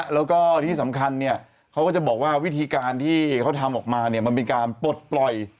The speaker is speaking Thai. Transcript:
แล้วก็ที่สำคัญเขาก็จะบอกว่าวิธีการที่เขาทำออกมาเนี่ยมันเป็นการปลดปล่อย